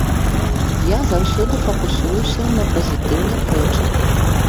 Я заўсёды факусуюся на пазітыўных рэчах.